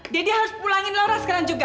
harus pulangin laura sekarang juga